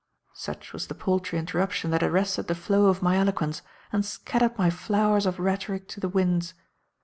Such was the paltry interruption that arrested the flow of my eloquence and scattered my flowers of rhetoric to the winds.